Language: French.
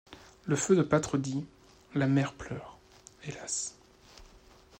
Le feu de pâtre dit: — La mère pleure, hélas!